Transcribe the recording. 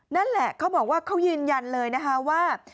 นั่นแหละเขาบอกว่าเขายืนยันเลยนะคะว่า